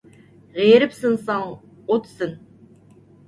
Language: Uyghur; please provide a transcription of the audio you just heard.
غېرىبسىنساڭ ئوتسىن.